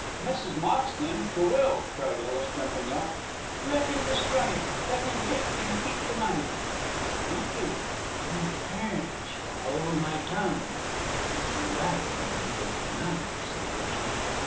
"Mrs. Moxton! The will!" cried Ellis, jumping up. "Let him destroy it! Let him take and keep the money!" "Thank you; and in return I will hold my tongue. If you like you can take the knife," said Busham.